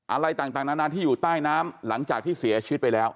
อะไรต่างนานาที่อยู่ใต้น้ำหลังจากที่เสียชีวิตไปแล้ว